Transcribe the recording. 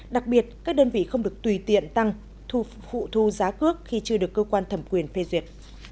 đặc biệt các đơn vị không được tùy tiện tăng thu phụ thu giá cước khi chưa được cơ quan thẩm quyền phê duyệt